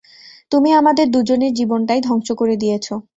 তুমি আমাদের দুজনের জীবনটাই ধ্বংস করে দিয়েছো।